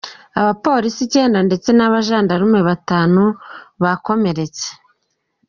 Abapolisi icyenda ndetse n’abajandarume batatu bakomeretse.